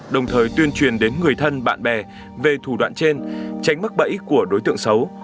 đồng thời tuyên truyền đến người thân bạn bè về thủ đoạn trên tránh mắc bẫy của đối tượng xấu